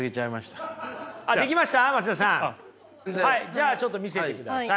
じゃあちょっと見せてください。